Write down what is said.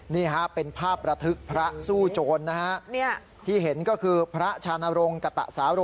นี่ฮะเป็นภาพระทึกพระสู้โจรนะฮะที่เห็นก็คือพระชานรงค์กะตะสาโร